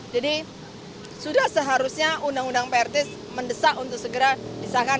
jadi sudah seharusnya undang undang prt mendesak untuk segera disahkan